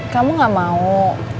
kamu gak mau